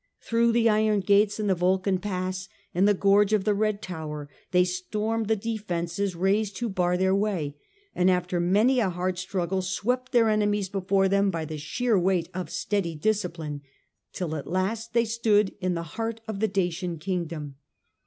Through the Iron Gates and the Volcan Pass and the gorge of the Red Tower they stormed the defences raised to bar their way, and after many a hard struggle swept their enemies before them by the sheer weight of steady discipline, till at last they stood in the heart of the Dacian king dom.